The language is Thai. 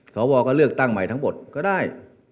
สวก็เลือกตั้งใหม่ทั้งหมดก็ได้